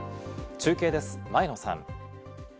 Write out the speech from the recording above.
中継です、前野さん。